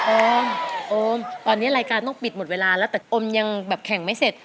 โอมโอมตอนนี้รายการต้องปิดหมดเวลาแล้วแต่โอมยังแบบแข่งไม่เสร็จ